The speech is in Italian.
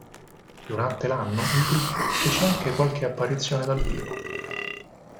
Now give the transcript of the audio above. Durante l'anno il gruppo fece anche qualche apparizione dal vivo.